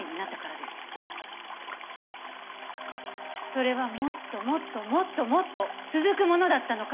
それはもっともっともっともっと続くものだったのかもしれない。